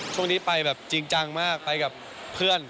ช่วงนี้ไปแบบจริงจังมากไปกับเพื่อน